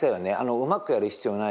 うまくやる必要はないと。